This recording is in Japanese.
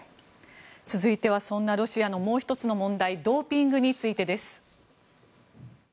続いては、そんなロシアのもう１つの問題ドーピングについてです。